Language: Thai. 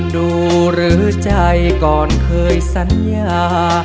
ดูหรือใจก่อนเคยสัญญา